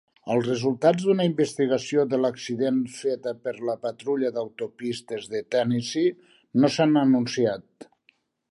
Els resultats d'una investigació de l'accident feta per la patrulla d'autopistes de Tennessee no s'han anunciat.